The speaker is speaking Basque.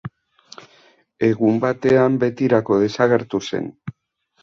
Egun batean betirako desagertu zen.